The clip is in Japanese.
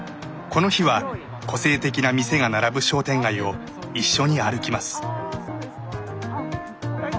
この日は個性的な店が並ぶ商店街を一緒に歩きます。